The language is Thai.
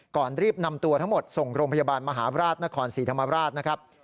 ก่อนรีบนำตัวทั้งหมดส่งโรงพยาบาลมหาราชนครศรีธรรมราชนะครับ